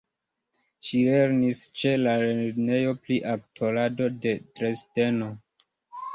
Ŝi lernis ĉe la lernejo pri aktorado en Dresdeno.